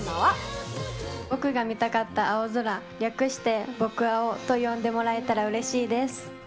僕が見たかった青空、略して僕青と呼んでもらえたらうれしいです。